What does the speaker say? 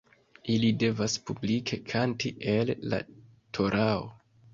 Ili devas publike kanti el la torao.